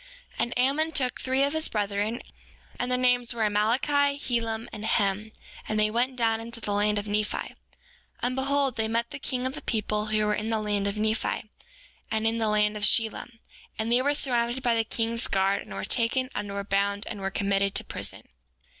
7:6 And Ammon took three of his brethren, and their names were Amaleki, Helem, and Hem, and they went down into the land of Nephi. 7:7 And behold, they met the king of the people who were in the land of Nephi, and in the land of Shilom; and they were surrounded by the king's guard, and were taken, and were bound, and were committed to prison.